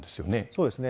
そうですね。